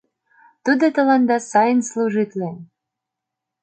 Тудо тыланда сайын служитлен.